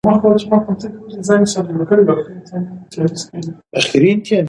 د ولس ملاتړ بنسټیز دی